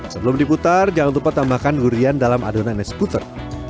sebelum diputar jangan lupa tambahkan durian dalam adonan es puter